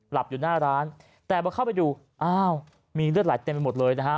หลับอยู่หน้าร้านแต่พอเข้าไปดูอ้าวมีเลือดไหลเต็มไปหมดเลยนะฮะ